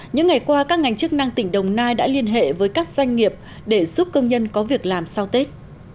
những ngày qua các ngành chức năng tỉnh đồng nai đã liên hệ với các doanh nghiệp để giúp công nhân có việc làm sau tết